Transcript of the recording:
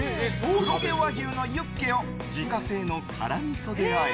黒毛和牛のユッケを自家製の辛みそであえ